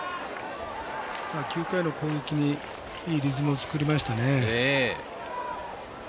９回の攻撃にいいリズムを作りましたね。